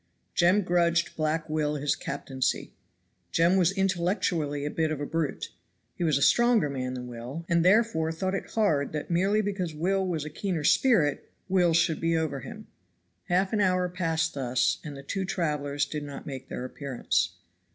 Jem grudged Black Will his captaincy. Jem was intellectually a bit of a brute. He was a stronger man than Will, and therefore thought it hard that merely because Will was a keener spirit, Will should be over him. Half an hour passed thus, and the two travelers did not make their appearance.